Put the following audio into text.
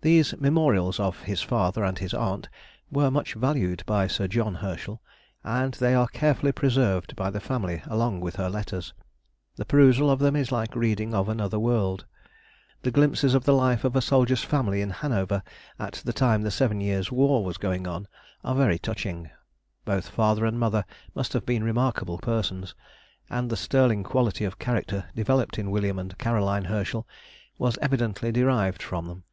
These memorials of his father and his aunt were much valued by Sir John Herschel, and they are carefully preserved by the family along with her letters. The perusal of them is like reading of another world. The glimpses of the life of a soldier's family in Hanover at the time the Seven Years' War was going on are very touching. Both father and mother must have been remarkable persons, and the sterling quality of character developed in William and Caroline Herschel was evidently derived from them.